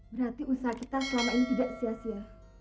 berarti usaha kita selama ini tidak sia sia